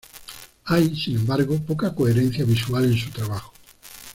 Hay, sin embargo, poca coherencia visual en su trabajo.